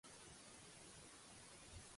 De safrà que t'ho menges!